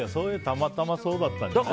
たまたまそうだったんだよ。